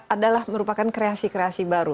adalah merupakan kreasi kreasi baru